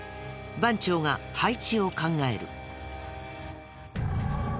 番長が配置を考える。